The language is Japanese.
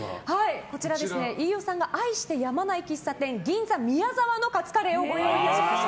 こちら、飯尾さんが愛してやまない銀座みやざわのカツカレーをご用意いたしました。